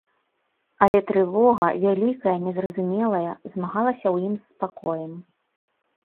Але трывога, вялікая, незразумелая, змагалася ў ім з спакоем.